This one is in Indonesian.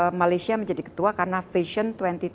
di pas malaysia menjadi ketua karena vision dua ribu dua puluh lima